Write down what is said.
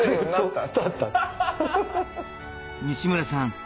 西村さん